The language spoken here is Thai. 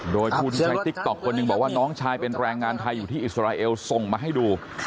โดยผู้ที่ใช้ติ๊กต๊อกคนหนึ่งบอกว่าน้องชายเป็นแรงงานไทยอยู่ที่อิสราเอลส่งมาให้ดู